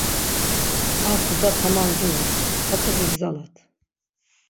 Ar tuta tamam divu, hatzi bigzalat.